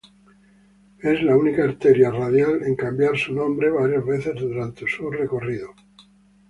Es la única arteria radial en cambiar su nombre varias veces durante su recorrida.